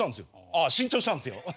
ああ新調したんですよ。